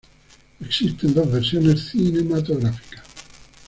Existen dos versiones cinematográficas.